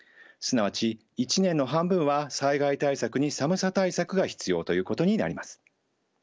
すなわち一年の半分は災害対策に寒さ対策が必要ということになります。